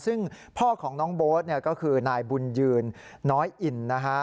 ซึ่งพ่อของน้องโบ๊ทเนี่ยก็คือนายบุญยืนน้อยอินนะฮะ